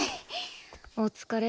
お疲れ。